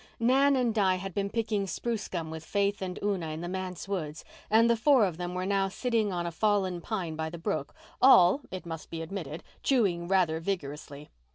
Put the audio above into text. Nan and Di had been picking spruce gum with Faith and Una in the manse woods and the four of them were now sitting on a fallen pine by the brook, all, it must be admitted, chewing rather vigorously.